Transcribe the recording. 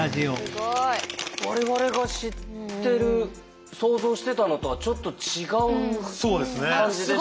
我々が知ってる想像してたのとはちょっと違う感じでしたね。